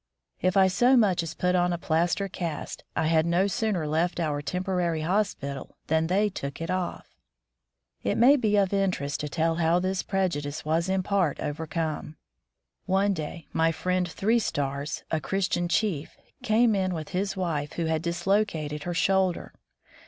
If I so much as put on a plaster cast, I had no sooner left our temporary hospital than they took it ofiF.. 120 War toith the Politicians It may be of interest to tell how this prejudice was in part overcome. One day my friend Three Stars, a Christian chief, came in with his wife, who had dislocated her shoulder.